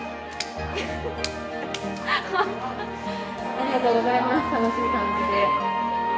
ありがとうございます楽しい感じで。